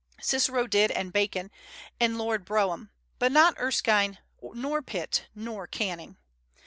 Cicero did, and Bacon, and Lord Brougham; but not Erskine, nor Pitt, nor Canning.